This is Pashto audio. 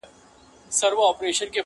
زه به مي غزل ته عاطفې د سایل واغوندم-